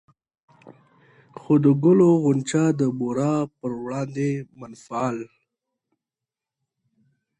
خو د ګلو غونچه د بورا پر وړاندې منفعل